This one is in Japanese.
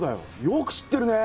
よく知ってるね！